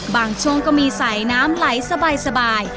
ช่วงก็มีสายน้ำไหลสบาย